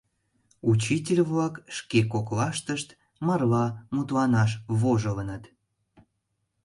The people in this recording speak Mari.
Учитель-влак шке коклаштышт марла мутланаш вожылыныт.